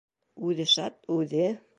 Үҙе шат, үҙе...